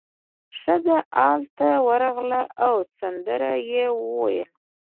ښځه ال ته ورغله او سندره یې وویله.